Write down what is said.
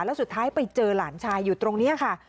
แล้วสุดท้ายไปเจอหลานชายอยู่ตรงนี้ค่ะ